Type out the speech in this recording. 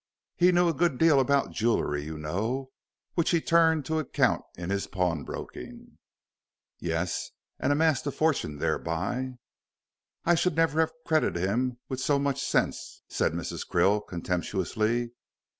He knew a good deal about jewellery, you know, which he turned to account in his pawnbroking." "Yes, and amassed a fortune, thereby." "I should never have credited him with so much sense," said Mrs. Krill, contemptuously.